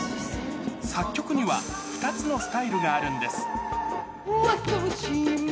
作曲には、２つのスタイルがあるんです。